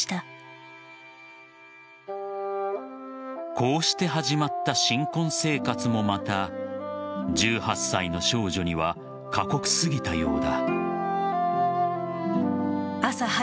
こうして始まった新婚生活もまた１８歳の少女には過酷過ぎたようだ。